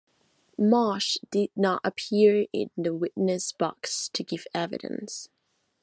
Marsh did not appear in the witness box to give evidence.